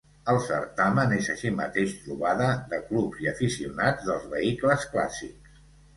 El certamen és així mateix trobada de clubs i aficionats dels vehicles clàssics.